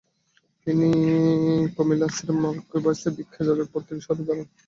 তিনি কোমিলাসের মার্কুইসের ভিক্ষার যাজক পদ থেকে সরে দাঁড়ান।